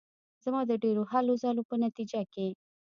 زما د ډېرو هلو ځلو په نتیجه کې.